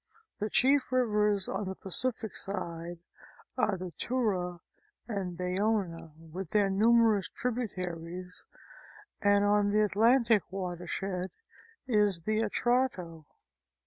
The chief rivers on the Pacific side are the Tuyra and Boyano with their numerous tributaries and on the Atlantic watershed is the Atrato.